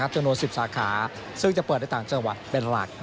จำนวน๑๐สาขาซึ่งจะเปิดในต่างจังหวัดเป็นหลัก